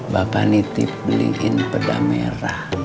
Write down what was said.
bapak nitip beliin peda merah